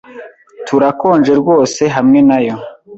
Turakonje rwose hamwe nayo.